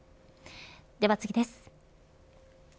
では次です。